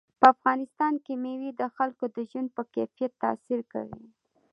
په افغانستان کې مېوې د خلکو د ژوند په کیفیت تاثیر کوي.